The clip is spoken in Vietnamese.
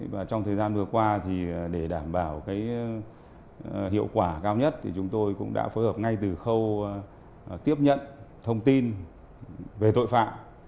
và trong thời gian vừa qua thì để đảm bảo hiệu quả cao nhất thì chúng tôi cũng đã phối hợp ngay từ khâu tiếp nhận thông tin về tội phạm